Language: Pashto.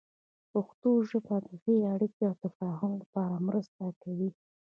پښتو ژبه د ښې اړیکې او تفاهم لپاره مرسته کوي.